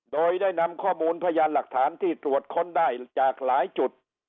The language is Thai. โดยได้นำข้อมูลพยานหลักฐานที่ตรวจค้นได้จากหลายจุด